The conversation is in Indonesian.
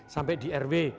sampai di rw